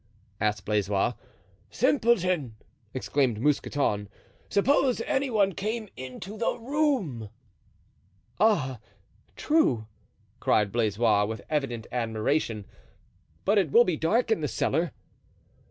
asked Blaisois. "Simpleton!" exclaimed Mousqueton; "suppose any one came into the room." "Ah, true," cried Blaisois, with evident admiration; "but it will be dark in the cellar."